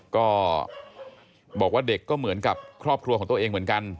ก็บอกว่าเด็กก็เหมือนกับครอบครัวของตัวเองเหมือนกัน